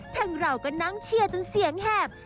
ทางเราก็นั่งเชียร์จนเสียงแหบ